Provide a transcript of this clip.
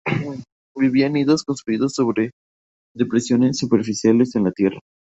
Vivía en nidos construidos sobre depresiones superficiales en la tierra.